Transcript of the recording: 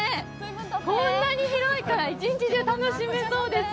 こんなに広いから一日中楽しめそうです。